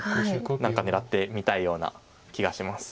何か狙ってみたいような気がします。